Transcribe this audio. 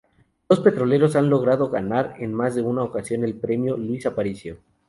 Dos peloteros han logrado ganar en más de una ocasión el premio "Luis Aparicio".